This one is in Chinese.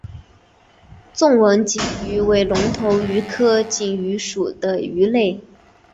纵纹锦鱼为隆头鱼科锦鱼属的鱼类。